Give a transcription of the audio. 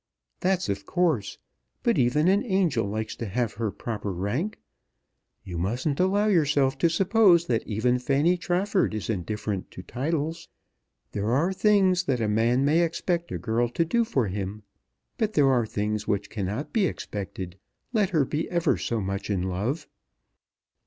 "That's of course. But even an angel likes to have her proper rank. You mustn't allow yourself to suppose that even Fanny Trafford is indifferent to titles. There are things that a man may expect a girl to do for him, but there are things which cannot be expected, let her be ever so much in love.